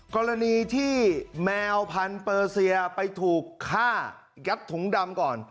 กรณีที่แมวพันธเปอร์เซียไปถูกฆ่ายัดถุงดำก่อน